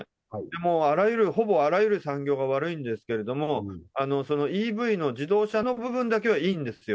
もうあらゆる、ほぼあらゆる産業が悪いんですけれども、そのＥＶの自動車の部分だけはいいんですよ。